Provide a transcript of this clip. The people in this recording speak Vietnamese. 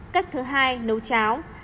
cách thứ hai nấu cháo